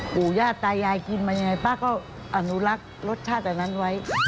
ปู่ย่าตายายกินมายังไงป้าก็อนุรักษ์รสชาติอันนั้นไว้